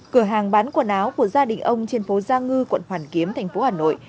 cửa hàng bán quần áo của gia đình ông trên phố gia ngư quận hoàn kiếm tp hà nội